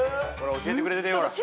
教えてくれてるよ。